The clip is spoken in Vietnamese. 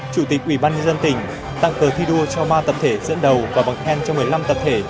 chủ tịch ubnd tỉnh tặng cờ thi đua cho ba tập thể dẫn đầu và bằng khen cho một mươi năm tập thể